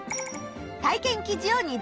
体験記事を２番目。